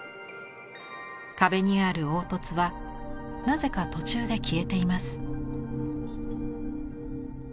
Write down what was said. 壁にある凹凸はなぜか途中で消えています。